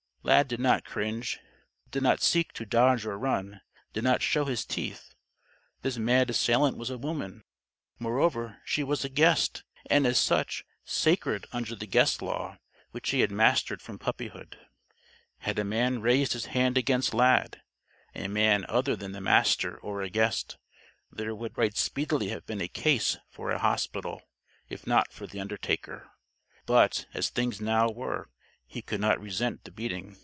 Lad did not cringe did not seek to dodge or run did not show his teeth. This mad assailant was a woman. Moreover, she was a guest, and as such, sacred under the Guest Law which he had mastered from puppyhood. Had a man raised his hand against Lad a man other than the Master or a guest there would right speedily have been a case for a hospital, if not for the undertaker. But, as things now were, he could not resent the beating.